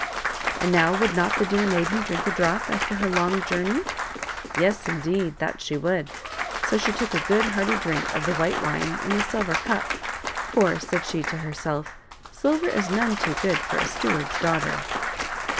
And now would not the dear maiden drink a drop after her long journey ? Yes, indeed, that she would ; so she took a good, hearty drink of the white wine in the silver cup, " for," said she to herself, " silver is none too good for a steward's daughter."